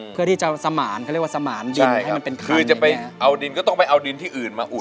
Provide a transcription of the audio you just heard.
เพื่อที่จะสมานเขาเรียกว่าสมานดินให้มันเป็นคันคือจะไปเอาดินก็ต้องไปเอาดินที่อื่นมาอุด